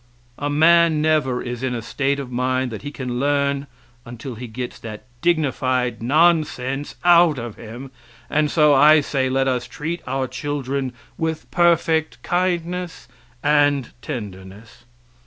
A man never is in a state of mind that he can learn until he gets that dignified nonsense out of him, and so, I say let us treat our children with perfect kindness and tenderness.